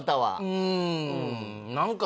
うん。何か。